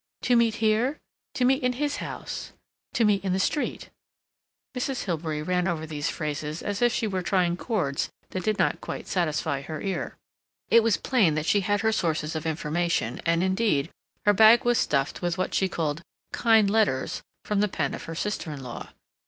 "To meet here, to meet in his house, to meet in the street." Mrs. Hilbery ran over these phrases as if she were trying chords that did not quite satisfy her ear. It was plain that she had her sources of information, and, indeed, her bag was stuffed with what she called "kind letters" from the pen of her sister in law.